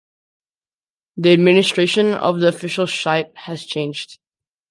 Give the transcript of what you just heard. The administration of the official site has changed.